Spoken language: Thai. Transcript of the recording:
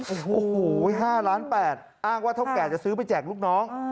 โอ้โห๕ล้าน๘อ้างว่าเท่าแก่จะซื้อไปแจกลูกน้อง